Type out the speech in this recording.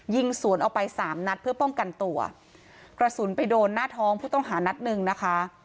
ยิงสวนออกไปสามนัดเพื่อป้องกันตัวกระสุนไปโดนหน้าท้องผู้ต้องหานัดหนึ่งนะคะ